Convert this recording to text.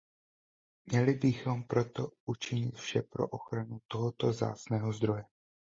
Měli bychom proto učinit vše pro ochranu tohoto vzácného zdroje.